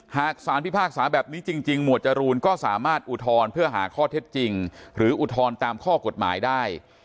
หากสารพิพากษาแบบนี้จริงหมวดจรูนก็สามารถอุทธรณ์เพื่อหาข้อเท็จจริงหรืออุทธรณ์ตามข้อกฎหมายได้